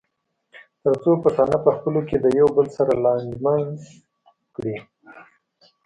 تر څو پښتانه پخپلو کې د یو بل سره لانجمن کړي.